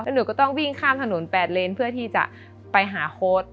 หนูก็ต้องวิ่งข้ามถนน๘เลนเพื่อที่จะไปหาโค้ด